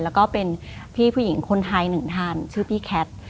แล้วก็เป็นพี่ผู้หญิงคนไทยหนึ่งท่านชื่อพี่แคท